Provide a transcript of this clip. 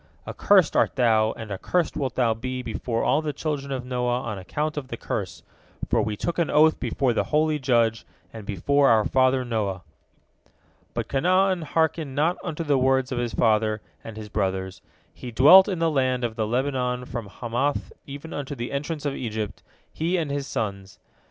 Accursed art thou, and accursed wilt thou be before all the children of Noah on account of the curse, for we took an oath before the holy Judge and before our father Noah." But Canaan hearkened not unto the words of his father and his brothers. He dwelt in the land of the Lebanon from Hamath even unto the entrance of Egypt, he and his sons.